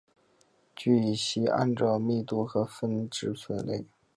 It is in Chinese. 聚乙烯按其密度和分支分类。